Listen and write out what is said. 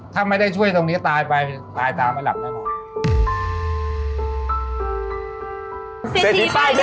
ถ้าไม่ได้ช่วยตรงนี้ตายไปตายตามไม่หลับแน่นอน